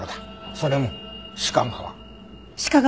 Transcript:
それも鹿革。